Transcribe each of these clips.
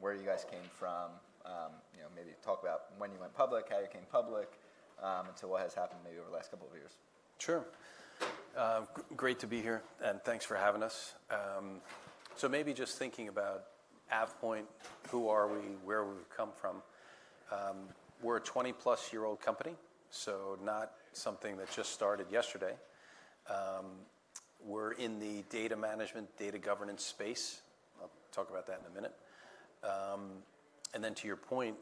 Where you guys came from, maybe talk about when you went public, how you came public, and what has happened maybe over the last couple of years. Sure. Great to be here, and thanks for having us. Maybe just thinking about AvePoint, who are we, where we've come from. We're a 20-plus-year-old company, not something that just started yesterday. We're in the data management, data governance space. I'll talk about that in a minute. To your point,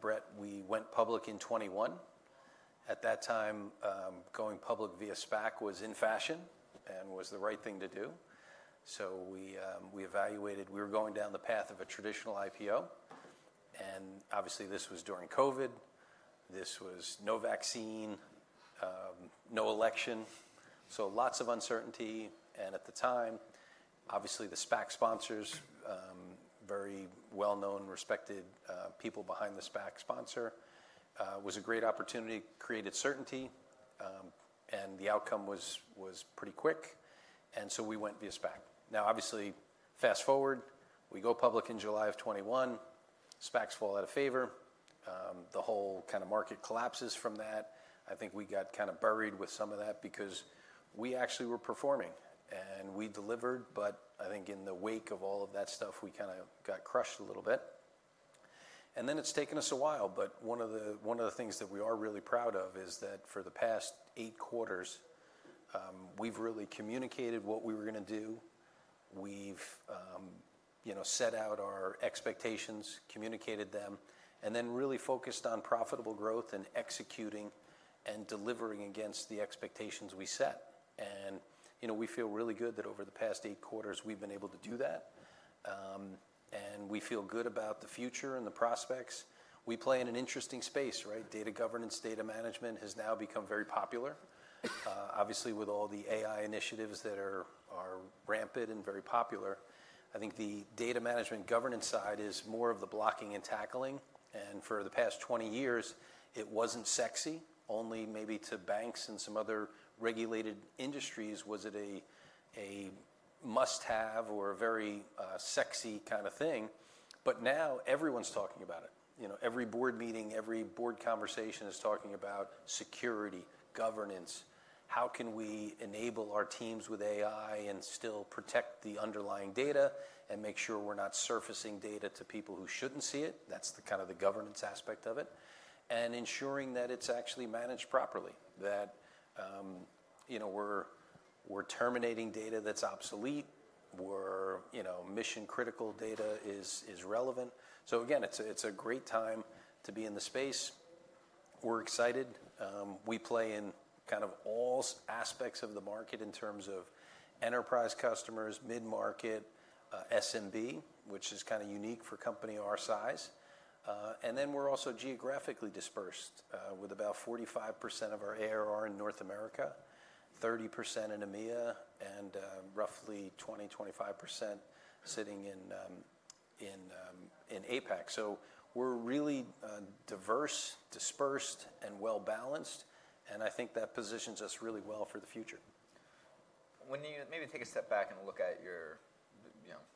Brett, we went public in 2021. At that time, going public via SPAC was in fashion and was the right thing to do. We evaluated, we were going down the path of a traditional IPO. Obviously, this was during COVID. This was no vaccine, no election. Lots of uncertainty. At the time, obviously the SPAC sponsors, very well-known, respected people behind the SPAC sponsor, was a great opportunity, created certainty. The outcome was pretty quick. We went via SPAC. Now, obviously, fast forward, we go public in July of 2021. SPACs fall out of favor. The whole kind of market collapses from that. I think we got kind of buried with some of that because we actually were performing, and we delivered. I think in the wake of all of that stuff, we kind of got crushed a little bit. It has taken us a while. One of the things that we are really proud of is that for the past eight quarters, we've really communicated what we were going to do. We've set out our expectations, communicated them, and then really focused on profitable growth and executing and delivering against the expectations we set. We feel really good that over the past eight quarters, we've been able to do that. We feel good about the future and the prospects. We play in an interesting space, right? Data governance, data management has now become very popular. Obviously, with all the AI initiatives that are rampant and very popular, I think the data management governance side is more of the blocking and tackling. For the past 20 years, it wasn't sexy. Only maybe to banks and some other regulated industries was it a must-have or a very sexy kind of thing. Now everyone's talking about it. Every board meeting, every board conversation is talking about security, governance. How can we enable our teams with AI and still protect the underlying data and make sure we're not surfacing data to people who shouldn't see it? That's kind of the governance aspect of it. Ensuring that it's actually managed properly, that we're terminating data that's obsolete, where mission-critical data is relevant. Again, it's a great time to be in the space. We're excited. We play in kind of all aspects of the market in terms of enterprise customers, mid-market, SMB, which is kind of unique for a company our size. We are also geographically dispersed, with about 45% of our ARR in North America, 30% in EMEA, and roughly 20%-25% sitting in APAC. We are really diverse, dispersed, and well-balanced. I think that positions us really well for the future. When you maybe take a step back and look at your,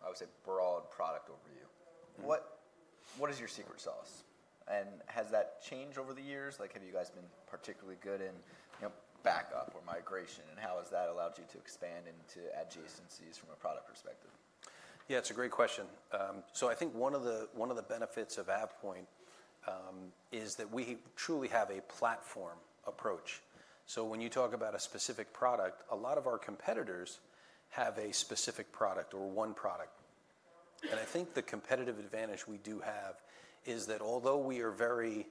I would say, broad product overview, what is your secret sauce? Has that changed over the years? Have you guys been particularly good in backup or migration, and how has that allowed you to expand into adjacencies from a product perspective? Yeah, it's a great question. I think one of the benefits of AvePoint is that we truly have a platform approach. When you talk about a specific product, a lot of our competitors have a specific product or one product. I think the competitive advantage we do have is that although we are very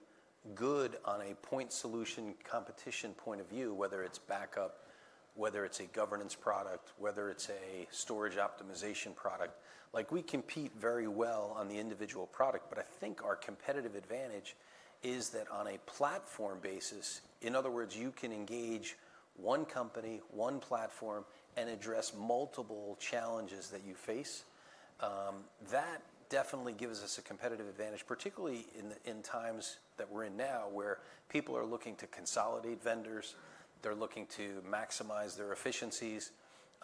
good on a point solution competition point of view, whether it's backup, whether it's a governance product, whether it's a storage-optimization product, we compete very well on the individual product. I think our competitive advantage is that on a platform basis, in other words, you can engage one company, one platform, and address multiple challenges that you face. That definitely gives us a competitive advantage, particularly in times that we're in now where people are looking to consolidate vendors. They're looking to maximize their efficiencies.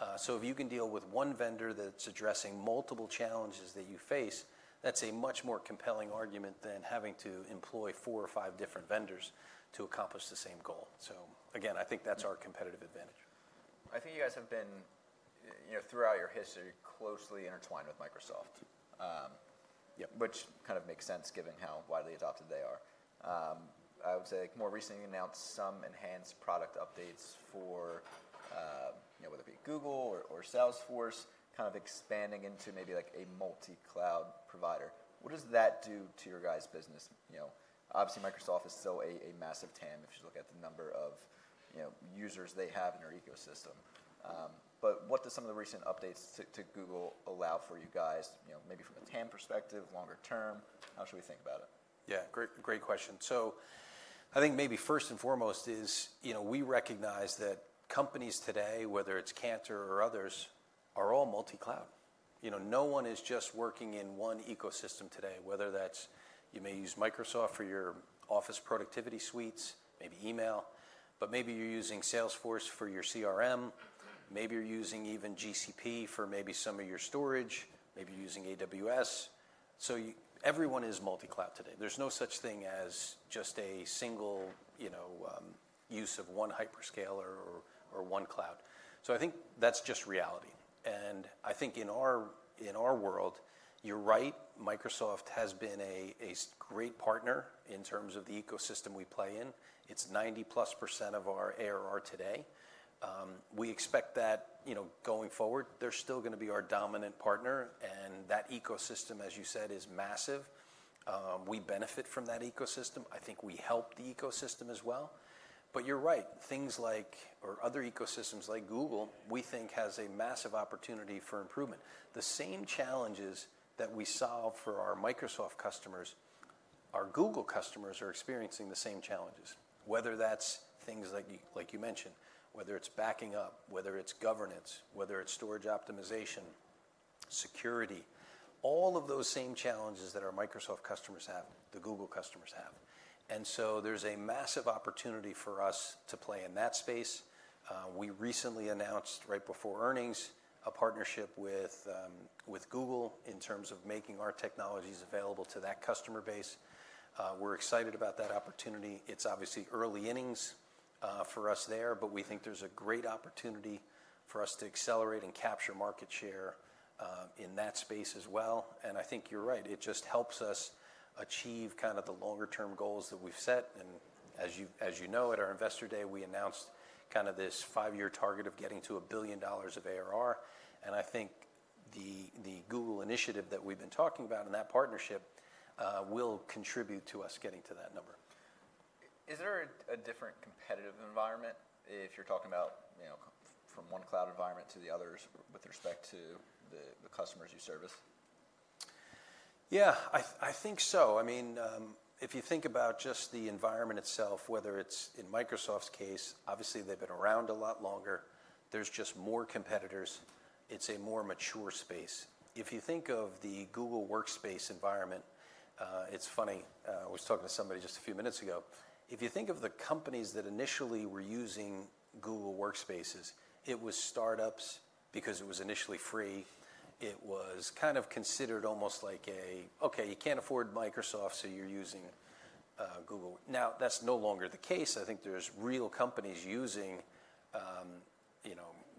If you can deal with one vendor that's addressing multiple challenges that you face, that's a much more compelling argument than having to employ four or five different vendors to accomplish the same goal. I think that's our competitive advantage. I think you guys have been, throughout your history, closely intertwined with Microsoft, which kind of makes sense given how widely adopted they are. I would say more recently announced some enhanced product updates for whether it be Google or Salesforce, kind of expanding into maybe a multi-cloud provider. What does that do to your guys' business? Obviously, Microsoft is still a massive TAM if you look at the number of users they have in their ecosystem. What do some of the recent updates to Google allow for you guys, maybe from a TAM perspective, longer term? How should we think about it? Yeah, great question. I think maybe first and foremost is we recognize that companies today, whether it's Cantor or others, are all multi-cloud. No one is just working in one ecosystem today, whether that's you may use Microsoft for your office productivity suites, maybe email, but maybe you're using Salesforce for your CRM. Maybe you're using even GCP for maybe some of your storage. Maybe you're using AWS. Everyone is multi-cloud today. There's no such thing as just a single use of one hyperscaler or one cloud. I think that's just reality. I think in our world, you're right, Microsoft has been a great partner in terms of the ecosystem we play in. It's 90%+ of our ARR today. We expect that going forward, they're still going to be our dominant partner. That ecosystem, as you said, is massive. We benefit from that ecosystem. I think we help the ecosystem as well. You're right, things like or other ecosystems like Google, we think has a massive opportunity for improvement. The same challenges that we solve for our Microsoft customers, our Google customers are experiencing the same challenges, whether that's things like you mentioned, whether it's backing up, whether it's governance, whether it's storage optimization, security, all of those same challenges that our Microsoft customers have, the Google customers have. There is a massive opportunity for us to play in that space. We recently announced right before earnings a partnership with Google in terms of making our technologies available to that customer base. We're excited about that opportunity. It's obviously early innings for us there, but we think there's a great opportunity for us to accelerate and capture market share in that space as well. I think you're right. It just helps us achieve kind of the longer-term goals that we've set. As you know, at our Investor Day, we announced kind of this five-year target of getting to $1 billion of ARR. I think the Google initiative that we've been talking about and that partnership will contribute to us getting to that number. Is there a different competitive environment if you're talking about from one cloud environment to the others with respect to the customers you service? Yeah, I think so. I mean, if you think about just the environment itself, whether it's in Microsoft's case, obviously, they've been around a lot longer. There's just more competitors. It's a more mature space. If you think of the Google Workspace environment, it's funny. I was talking to somebody just a few minutes ago. If you think of the companies that initially were using Google Workspace, it was startups because it was initially free. It was kind of considered almost like a, "Okay, you can't afford Microsoft, so you're using Google." Now, that's no longer the case. I think there's real companies using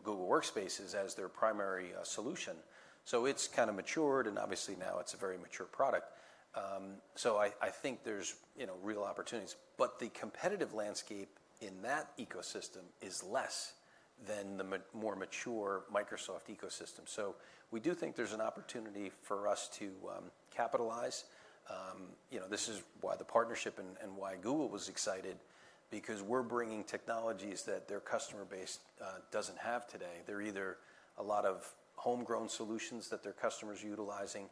Google Workspace as their primary solution. It has kind of matured. Obviously, now it's a very mature product. I think there's real opportunities. The competitive landscape in that ecosystem is less than the more mature Microsoft ecosystem. We do think there's an opportunity for us to capitalize. This is why the partnership and why Google was excited, because we're bringing technologies that their customer base doesn't have today. There are either a lot of homegrown solutions that their customers are utilizing.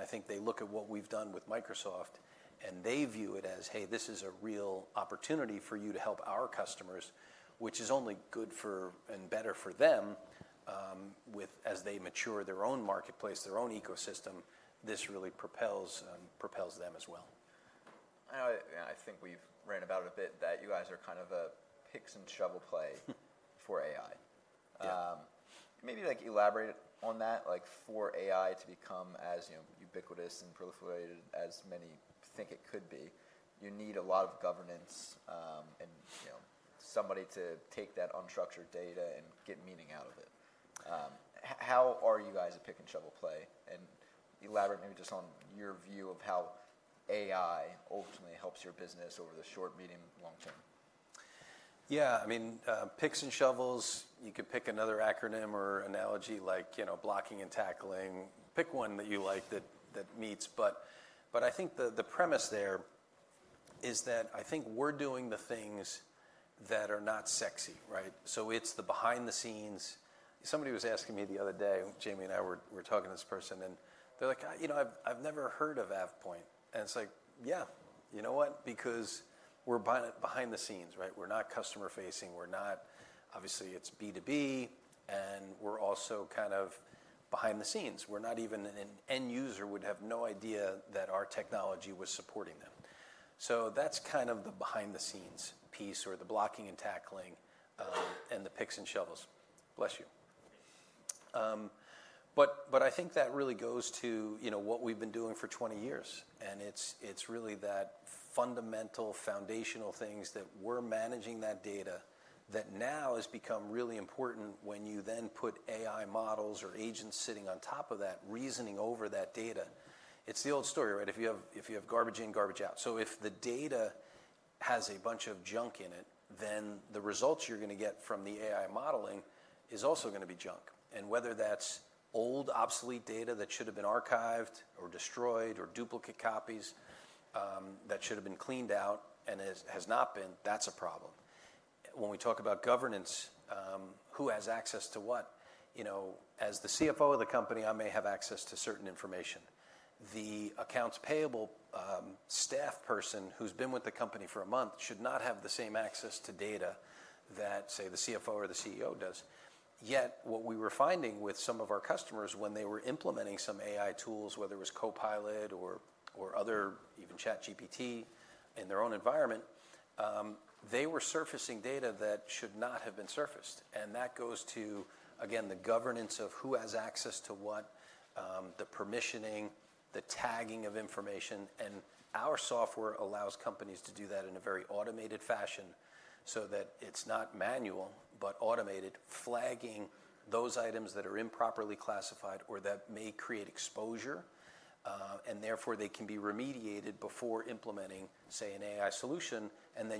I think they look at what we've done with Microsoft, and they view it as, "Hey, this is a real opportunity for you to help our customers," which is only good for and better for them as they mature their own marketplace, their own ecosystem. This really propels them as well. I think we've ran about it a bit that you guys are kind of a pick-and-shovel play for AI. Maybe elaborate on that. For AI to become as ubiquitous and proliferated as many think it could be, you need a lot of governance and somebody to take that unstructured data and get meaning out of it. How are you guys a pick-and-shovel play? Maybe elaborate just on your view of how AI ultimately helps your business over the short, medium, long term. Yeah, I mean, picks and shovels, you could pick another acronym or analogy like blocking and tackling. Pick one that you like that meets. I think the premise there is that I think we're doing the things that are not sexy, right? It's the behind the scenes. Somebody was asking me the other day, Jamie and I were talking to this person, and they're like, "I've never heard of AvePoint." It's like, "Yeah, you know what? Because we're behind the scenes, right? We're not customer-facing. We're not, obviously, it's B2B, and we're also kind of behind the scenes. We're not even an end user would have no idea that our technology was supporting them." That's kind of the behind-the-scenes piece or the blocking and tackling and the picks and shovels. Bless you. I think that really goes to what we've been doing for 20 years. It is really that fundamental foundational things that we're managing, that data that now has become really important when you then put AI models or agents sitting on top of that reasoning over that data. It's the old story, right? If you have garbage in, garbage out. If the data has a bunch of junk in it, then the results you're going to get from the AI modeling are also going to be junk. Whether that's old obsolete data that should have been archived or destroyed or duplicate copies that should have been cleaned out and has not been, that's a problem. When we talk about governance, who has access to what? As the CFO of the company, I may have access to certain information. The accounts payable staff person who's been with the company for a month should not have the same access to data that, say, the CFO or the CEO does. Yet what we were finding with some of our customers when they were implementing some AI tools, whether it was Copilot or other, even ChatGPT in their own environment, they were surfacing data that should not have been surfaced. That goes to, again, the governance of who has access to what, the permissioning, the tagging of information. Our software allows companies to do that in a very automated fashion so that it's not manual, but automated, flagging those items that are improperly classified or that may create exposure. Therefore, they can be remediated before implementing, say, an AI solution.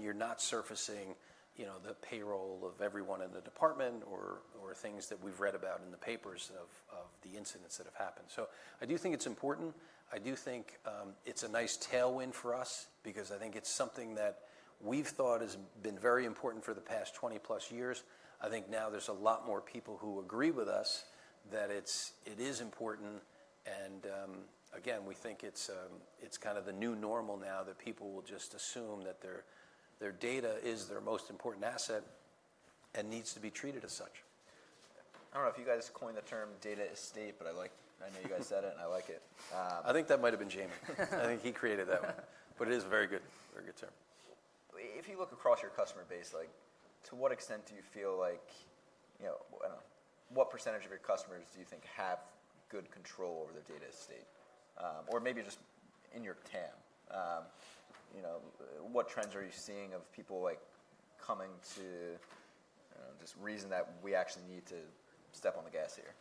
You are not surfacing the payroll of everyone in the department or things that we've read about in the papers of the incidents that have happened. I do think it's important. I do think it's a nice tailwind for us because I think it's something that we've thought has been very important for the past 20-plus years. I think now there's a lot more people who agree with us that it is important. Again, we think it's kind of the new normal now that people will just assume that their data is their most important asset and needs to be treated as such. I don't know if you guys coined the term data estate, but I know you guys said it, and I like it. I think that might have been Jamie. I think he created that one. It is a very good term. If you look across your customer base, to what extent do you feel like what percentage of your customers do you think have good control over their data estate? Or maybe just in your TAM, what trends are you seeing of people coming to just reason that we actually need to step on the gas here?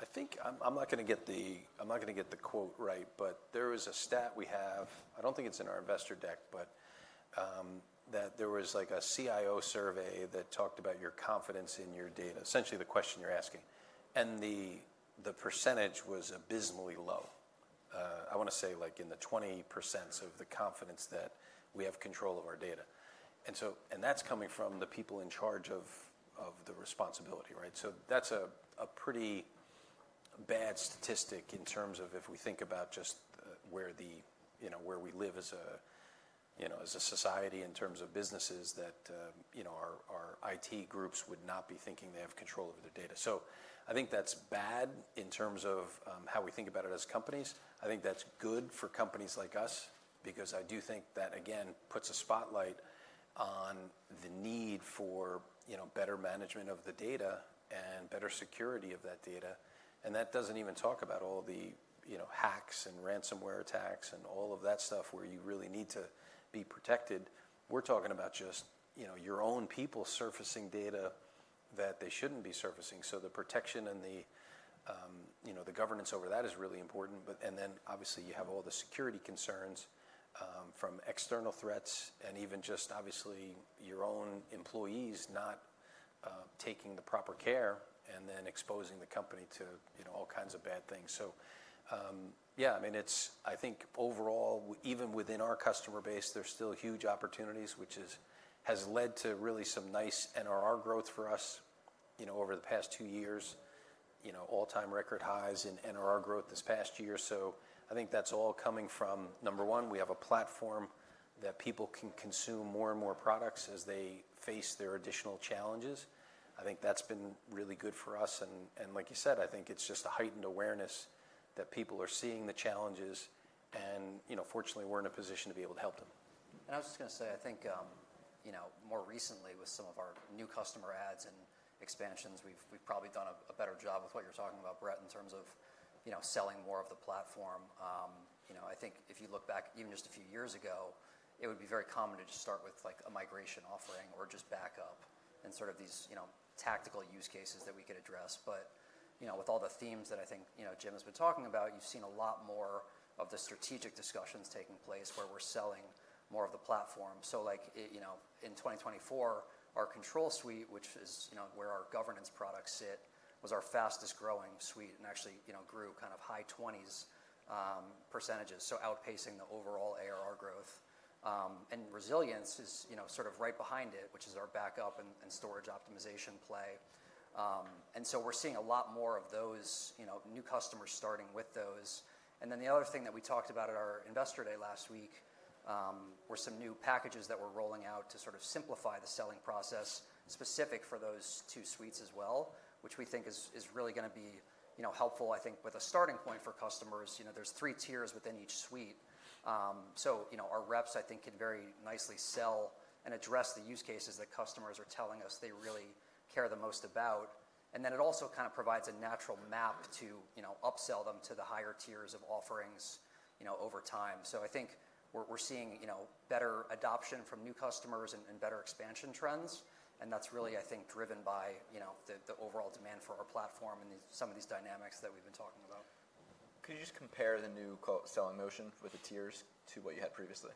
I think I'm not going to get the quote right, but there is a stat we have. I don't think it's in our investor deck, but that there was a CIO survey that talked about your confidence in your data, essentially the question you're asking. The percentage was abysmally low. I want to say in the 20% of the confidence that we have control of our data. That's coming from the people in charge of the responsibility, right? That's a pretty bad statistic in terms of if we think about just where we live as a society in terms of businesses that our IT groups would not be thinking they have control over their data. I think that's bad in terms of how we think about it as companies. I think that's good for companies like us because I do think that, again, puts a spotlight on the need for better management of the data and better security of that data. That doesn't even talk about all the hacks and ransomware attacks and all of that stuff where you really need to be protected. We're talking about just your own people surfacing data that they shouldn't be surfacing. The protection and the governance over that is really important. Obviously, you have all the security concerns from external threats and even just your own employees not taking the proper care and then exposing the company to all kinds of bad things. Yeah, I mean, I think overall, even within our customer base, there's still huge opportunities, which has led to really some nice NRR growth for us over the past two years, all-time record highs in NRR growth this past year. I think that's all coming from, number one, we have a platform that people can consume more and more products as they face their additional challenges. I think that's been really good for us. Like you said, I think it's just a heightened awareness that people are seeing the challenges. Fortunately, we're in a position to be able to help them. I was just going to say, I think more recently with some of our new customer ads and expansions, we've probably done a better job with what you're talking about, Brett, in terms of selling more of the platform. I think if you look back even just a few years ago, it would be very common to just start with a migration offering or just backup and sort of these tactical use cases that we could address. With all the themes that I think Jim has been talking about, you've seen a lot more of the strategic discussions taking place where we're selling more of the platform. In 2024, our Control Suite, which is where our governance products sit, was our fastest growing suite and actually grew kind of high 20s percentages, so outpacing the overall ARR growth. Resilience is sort of right behind it, which is our backup and storage optimization play. We are seeing a lot more of those new customers starting with those. The other thing that we talked about at our investor day last week were some new packages that we are rolling out to sort of simplify the selling process specific for those two suites as well, which we think is really going to be helpful, I think, with a starting point for customers. There are three tiers within each suite. Our reps, I think, can very nicely sell and address the use cases that customers are telling us they really care the most about. It also kind of provides a natural map to upsell them to the higher tiers of offerings over time. I think we are seeing better adoption from new customers and better expansion trends. That is really, I think, driven by the overall demand for our platform and some of these dynamics that we have been talking about. Could you just compare the new selling motion with the tiers to what you had previously?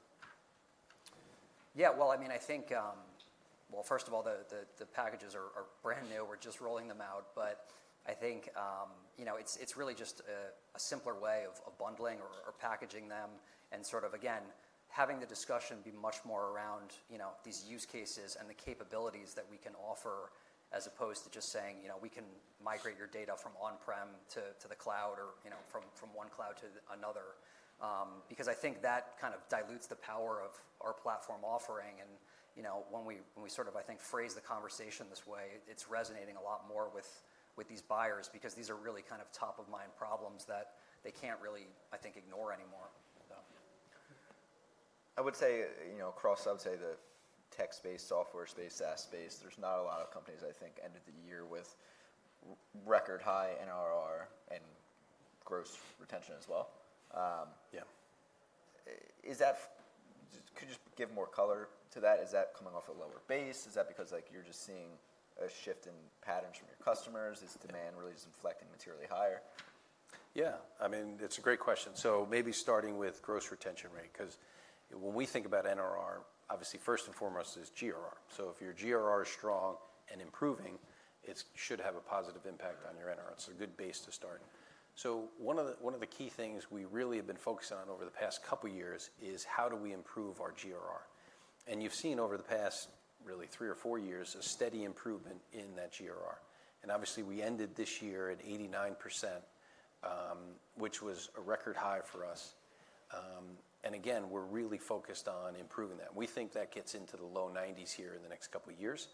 Yeah, I mean, I think, first of all, the packages are brand new. We're just rolling them out. I think it's really just a simpler way of bundling or packaging them and sort of, again, having the discussion be much more around these use cases and the capabilities that we can offer as opposed to just saying, "We can migrate your data from on-prem to the cloud or from one cloud to another," because I think that kind of dilutes the power of our platform offering. When we sort of, I think, phrase the conversation this way, it's resonating a lot more with these buyers because these are really kind of top-of-mind problems that they can't really, I think, ignore anymore. I would say across the tech space, software space, SaaS space, there's not a lot of companies, I think, end of the year with record high NRR and gross retention as well. Could you just give more color to that? Is that coming off a lower base? Is that because you're just seeing a shift in patterns from your customers? Is demand really just inflecting materially higher? Yeah. I mean, it's a great question. Maybe starting with gross retention rate, because when we think about NRR, obviously, first and foremost is GRR. If your GRR is strong and improving, it should have a positive impact on your NRR. It's a good base to start. One of the key things we really have been focusing on over the past couple of years is how do we improve our GRR? You have seen over the past, really, three or four years a steady improvement in that GRR. Obviously, we ended this year at 89%, which was a record high for us. Again, we are really focused on improving that. We think that gets into the low 90s here in the next couple of years.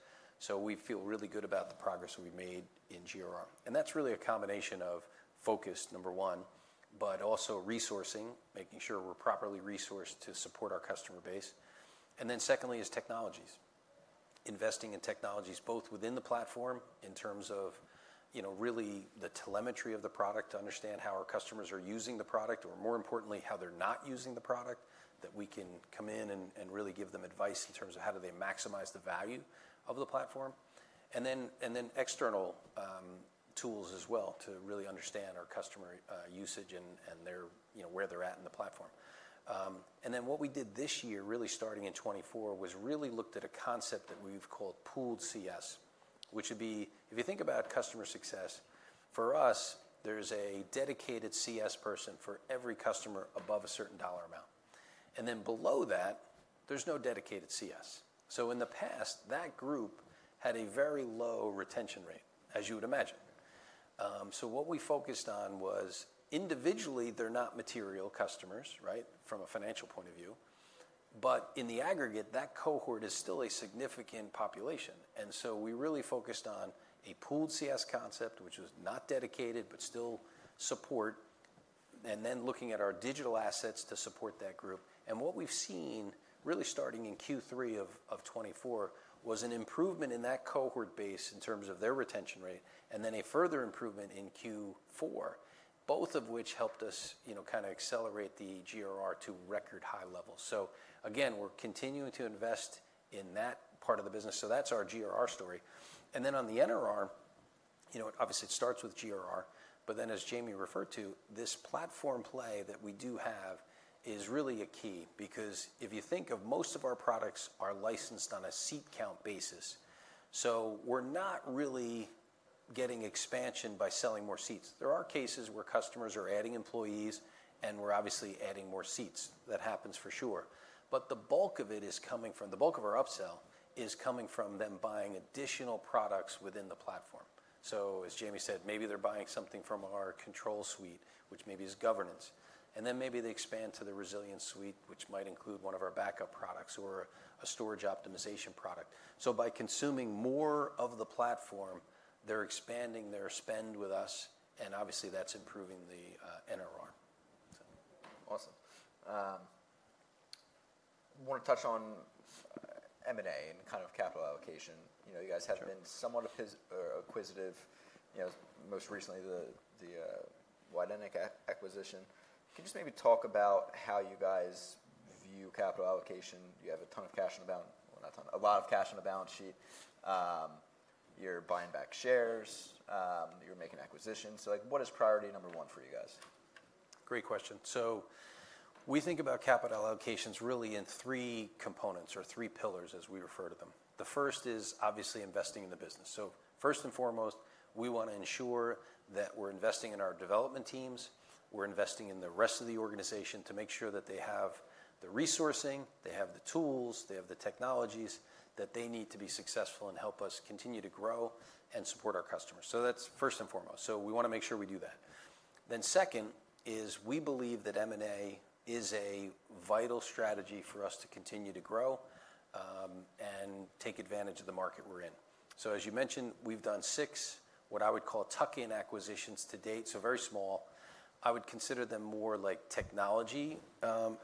We feel really good about the progress we have made in GRR. That is really a combination of focus, number one, but also resourcing, making sure we are properly resourced to support our customer base. Secondly is technologies, investing in technologies both within the platform in terms of really the telemetry of the product to understand how our customers are using the product or, more importantly, how they are not using the product, that we can come in and really give them advice in terms of how do they maximize the value of the platform. External tools as well to really understand our customer usage and where they're at in the platform. What we did this year, really starting in 2024, was really looked at a concept that we've called pooled CS, which would be, if you think about customer success, for us, there is a dedicated CS person for every customer above a certain dollar amount. Below that, there's no dedicated CS. In the past, that group had a very low retention rate, as you would imagine. What we focused on was individually, they're not material customers, right, from a financial point of view. In the aggregate, that cohort is still a significant population. We really focused on a pooled CS concept, which was not dedicated, but still support, and then looking at our digital assets to support that group. What we've seen really starting in Q3 of 2024 was an improvement in that cohort base in terms of their retention rate and then a further improvement in Q4, both of which helped us kind of accelerate the GRR to record high levels. We are continuing to invest in that part of the business. That is our GRR story. On the NRR, obviously, it starts with GRR. But then as Jamie referred to, this platform play that we do have is really a key because if you think of most of our products, they are licensed on a seat count basis. We are not really getting expansion by selling more seats. There are cases where customers are adding employees, and we are obviously adding more seats. That happens for sure. The bulk of our upsell is coming from them buying additional products within the platform. As Jamie said, maybe they're buying something from our Control Suite, which maybe is governance. Then maybe they expand to the Resilience Suite, which might include one of our backup products or a storage optimization product. By consuming more of the platform, they're expanding their spend with us. Obviously, that's improving the NRR. Awesome. I want to touch on M&A and kind of capital allocation. You guys have been somewhat acquisitive, most recently the Ydentic acquisition. Can you just maybe talk about how you guys view capital allocation? You have a ton of cash on the balance, well, not a ton, a lot of cash on the balance sheet. You're buying back shares. You're making acquisitions. What is priority number one for you guys? Great question. We think about capital allocations really in three components or three pillars, as we refer to them. The first is obviously investing in the business. First and foremost, we want to ensure that we're investing in our development teams. We're investing in the rest of the organization to make sure that they have the resourcing, they have the tools, they have the technologies that they need to be successful and help us continue to grow and support our customers. That's first and foremost. We want to make sure we do that. Second is we believe that M&A is a vital strategy for us to continue to grow and take advantage of the market we're in. As you mentioned, we've done six, what I would call tuck-in acquisitions to date, so very small. I would consider them more like technology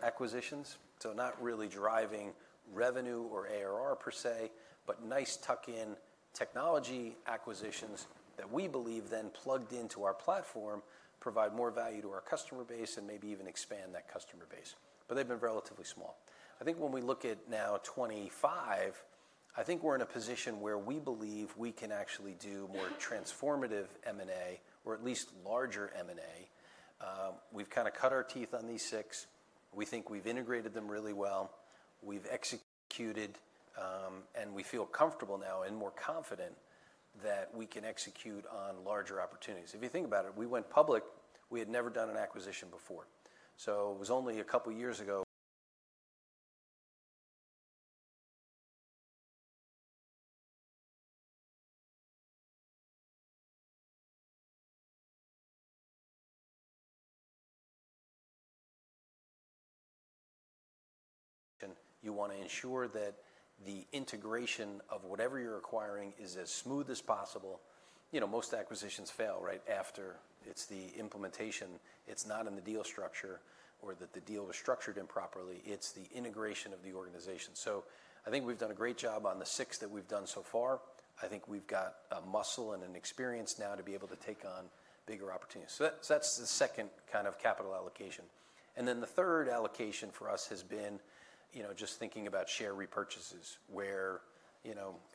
acquisitions. Not really driving revenue or ARR per se, but nice tuck-in technology acquisitions that we believe then plugged into our platform provide more value to our customer base and maybe even expand that customer base. They have been relatively small. I think when we look at now 2025, I think we are in a position where we believe we can actually do more transformative M&A or at least larger M&A. We have kind of cut our teeth on these six. We think we have integrated them really well. We have executed, and we feel comfortable now and more confident that we can execute on larger opportunities. If you think about it, we went public. We had never done an acquisition before. It was only a couple of years ago. You want to ensure that the integration of whatever you are acquiring is as smooth as possible. Most acquisitions fail, right, after it's the implementation. It's not in the deal structure or that the deal was structured improperly. It's the integration of the organization. I think we've done a great job on the six that we've done so far. I think we've got a muscle and an experience now to be able to take on bigger opportunities. That's the second kind of capital allocation. The third allocation for us has been just thinking about share repurchases, where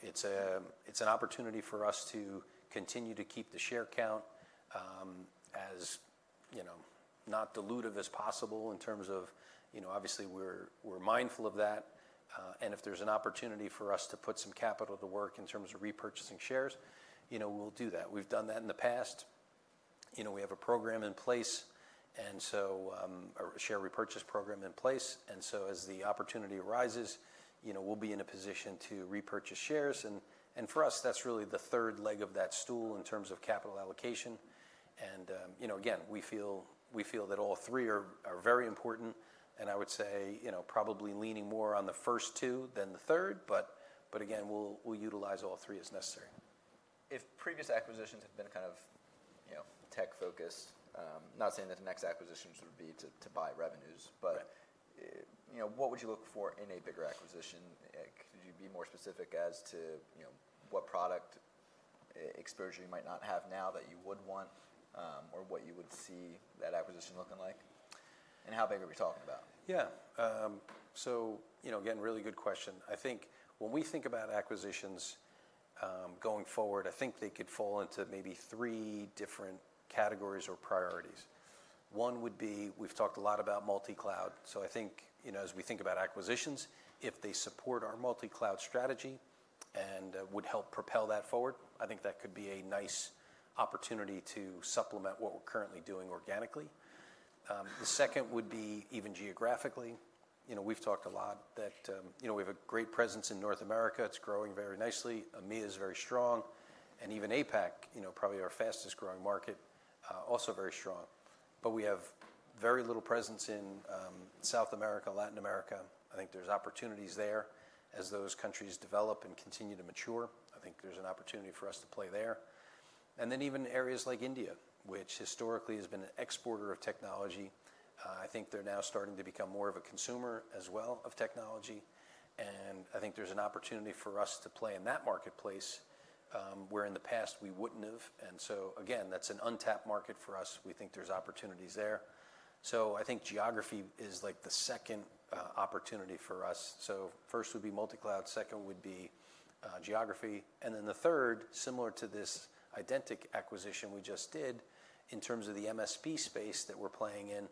it's an opportunity for us to continue to keep the share count as not dilutive as possible in terms of, obviously, we're mindful of that. If there's an opportunity for us to put some capital to work in terms of repurchasing shares, we'll do that. We've done that in the past. We have a program in place, a share repurchase program in place. As the opportunity arises, we'll be in a position to repurchase shares. For us, that's really the third leg of that stool in terms of capital allocation. Again, we feel that all three are very important. I would say probably leaning more on the first two than the third. Again, we'll utilize all three as necessary. If previous acquisitions have been kind of tech-focused, not saying that the next acquisitions would be to buy revenues, but what would you look for in a bigger acquisition? Could you be more specific as to what product exposure you might not have now that you would want or what you would see that acquisition looking like? How big are we talking about? Yeah. Really good question. I think when we think about acquisitions going forward, I think they could fall into maybe three different categories or priorities. One would be we've talked a lot about multi-cloud. I think as we think about acquisitions, if they support our multi-cloud strategy and would help propel that forward, I think that could be a nice opportunity to supplement what we're currently doing organically. The second would be even geographically. We've talked a lot that we have a great presence in North America. It's growing very nicely. EMEA is very strong. Even APAC, probably our fastest growing market, also very strong. We have very little presence in South America, Latin America. I think there's opportunities there as those countries develop and continue to mature. I think there's an opportunity for us to play there. Even areas like India, which historically has been an exporter of technology, I think they're now starting to become more of a consumer as well of technology. I think there's an opportunity for us to play in that marketplace where in the past we wouldn't have. Again, that's an untapped market for us. We think there's opportunities there. I think geography is like the second opportunity for us. First would be multi-cloud, second would be geography. The third, similar to this Ydentic acquisition we just did in terms of the MSP space that we're playing in,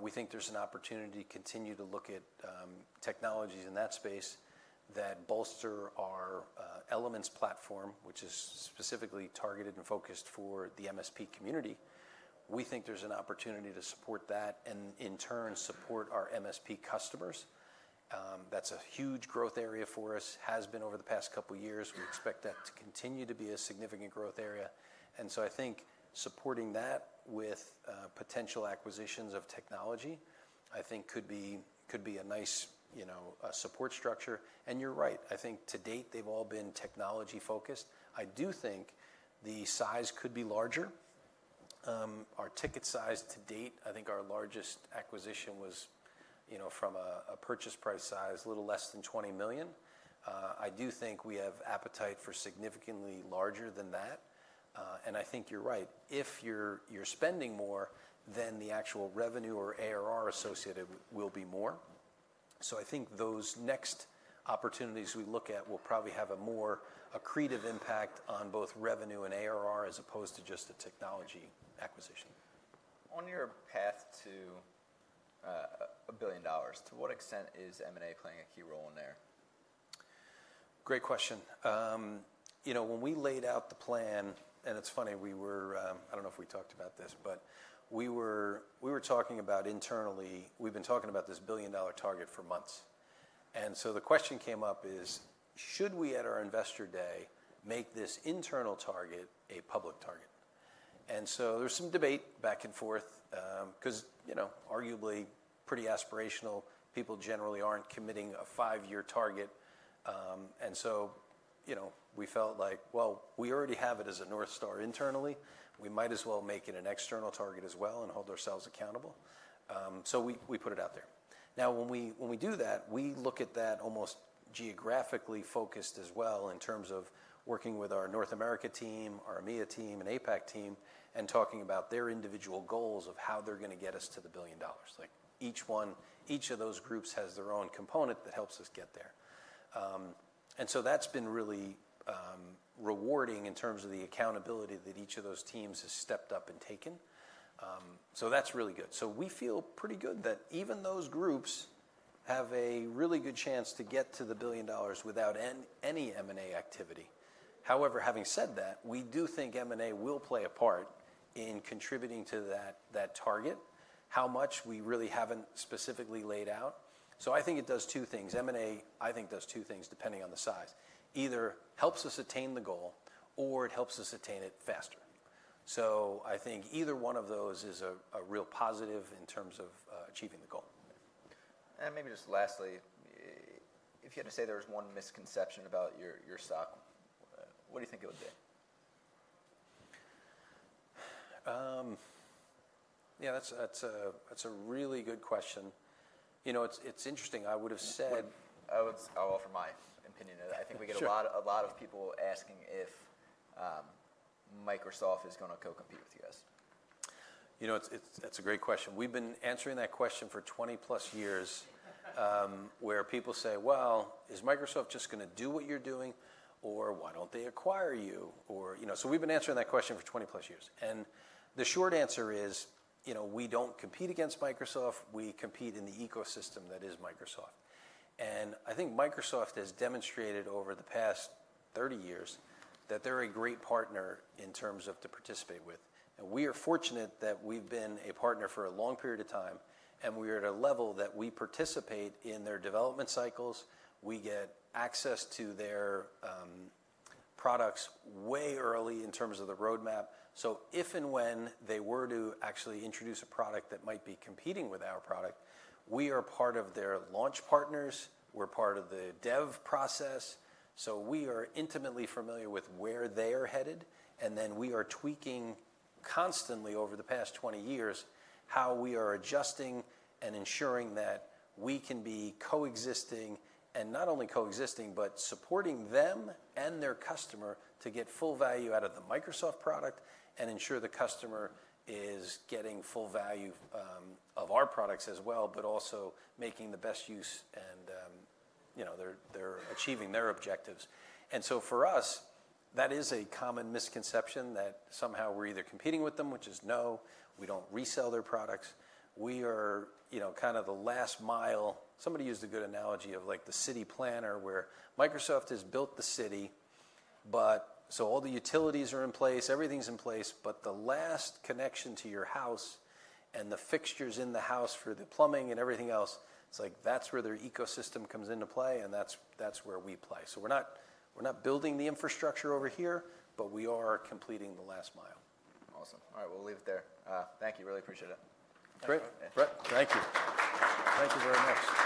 we think there's an opportunity to continue to look at technologies in that space that bolster our Elements platform, which is specifically targeted and focused for the MSP community. We think there's an opportunity to support that and in turn support our MSP customers. That's a huge growth area for us, has been over the past couple of years. We expect that to continue to be a significant growth area. I think supporting that with potential acquisitions of technology could be a nice support structure. You're right. I think to date, they've all been technology-focused. I do think the size could be larger. Our ticket size to date, I think our largest acquisition was from a purchase price size, a little less than $20 million. I do think we have appetite for significantly larger than that. You're right. If you're spending more, then the actual revenue or ARR associated will be more. I think those next opportunities we look at will probably have a more accretive impact on both revenue and ARR as opposed to just a technology acquisition. On your path to a billion dollars, to what extent is M&A playing a key role in there? Great question. When we laid out the plan, and it's funny, we were, I don't know if we talked about this, but we were talking about internally, we've been talking about this billion-dollar target for months. The question came up is, should we at our Investor Day make this internal target a public target? There was some debate back and forth because arguably pretty aspirational. People generally aren't committing a five-year target. We felt like, well, we already have it as a North Star internally. We might as well make it an external target as well and hold ourselves accountable. We put it out there. Now, when we do that, we look at that almost geographically focused as well in terms of working with our North America team, our EMEA team, and APAC team and talking about their individual goals of how they're going to get us to the billion dollars. Each of those groups has their own component that helps us get there. That has been really rewarding in terms of the accountability that each of those teams has stepped up and taken. That is really good. We feel pretty good that even those groups have a really good chance to get to the billion dollars without any M&A activity. However, having said that, we do think M&A will play a part in contributing to that target, how much we really haven't specifically laid out. I think it does two things. M&A, I think, does two things depending on the size. Either helps us attain the goal or it helps us attain it faster. I think either one of those is a real positive in terms of achieving the goal. Maybe just lastly, if you had to say there was one misconception about your stock, what do you think it would be? Yeah, that's a really good question. It's interesting. I would have said. I'll offer my opinion. I think we get a lot of people asking if Microsoft is going to co-compete with you guys. That's a great question. We've been answering that question for 20+ years where people say, well, is Microsoft just going to do what you're doing or why don't they acquire you? We've been answering that question for 20+ years. The short answer is we don't compete against Microsoft. We compete in the ecosystem that is Microsoft. I think Microsoft has demonstrated over the past 30 years that they're a great partner in terms of to participate with. We are fortunate that we've been a partner for a long period of time. We are at a level that we participate in their development cycles. We get access to their products way early in terms of the roadmap. If and when they were to actually introduce a product that might be competing with our product, we are part of their launch partners. We're part of the dev process. We are intimately familiar with where they are headed. We are tweaking constantly over the past 20 years how we are adjusting and ensuring that we can be co-existing and not only co-existing, but supporting them and their customer to get full value out of the Microsoft product and ensure the customer is getting full value of our products as well, but also making the best use and they're achieving their objectives. For us, that is a common misconception that somehow we're either competing with them, which is no, we don't resell their products. We are kind of the last mile. Somebody used a good analogy of the city planner where Microsoft has built the city, so all the utilities are in place, everything's in place, but the last connection to your house and the fixtures in the house for the plumbing and everything else, it's like that's where their ecosystem comes into play and that's where we play. We are not building the infrastructure over here, but we are completing the last mile. Awesome. All right, we'll leave it there. Thank you. Really appreciate it. Great. Thank you. Thank you very much.